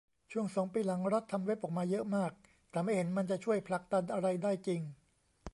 ช่วงสองปีหลัง รัฐทำเว็บออกมาเยอะมาก แต่ไม่เห็นมันจะช่วยผลักดันอะไรได้จริง